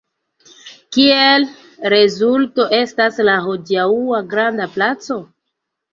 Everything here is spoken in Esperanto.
Kiel rezulto estas la hodiaŭa granda placo.